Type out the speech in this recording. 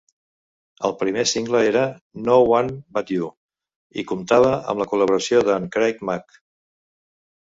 El primer single era "No One But You" i comptava amb la col·laboració d'en Craig Mack.